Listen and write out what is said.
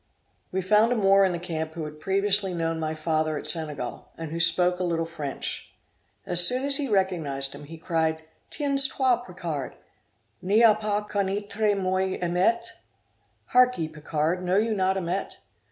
We found a Moor in the camp who had previously known my father at Senegal, and who spoke a little French. As soon as he recognised him, he cried, 'Tiens toi Picard! ni a pas conneitre moi Amet?' Hark ye, Picard, know you not Amet?